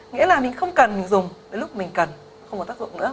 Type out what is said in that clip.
nghĩa là mình không cần mình dùng đến lúc mình cần không có tác dụng nữa